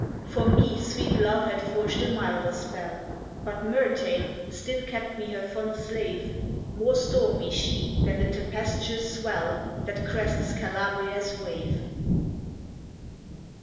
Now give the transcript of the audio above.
For me sweet Love had forged a milder spell; But Myrtale still kept me her fond slave, More stormy she than the tempestuous swell That crests Calabria's wave.